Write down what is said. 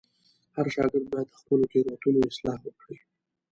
هر شاګرد باید د خپلو تېروتنو اصلاح وکړي.